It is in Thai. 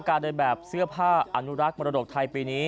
เดินแบบเสื้อผ้าอนุรักษ์มรดกไทยปีนี้